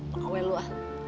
pakai lu ah